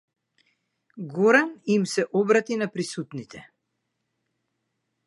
Горан им се обрати на присутните.